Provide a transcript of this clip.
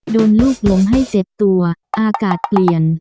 ลูกหลงให้เจ็บตัวอากาศเปลี่ยน